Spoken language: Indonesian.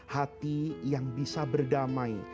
hati yang bisa berdamai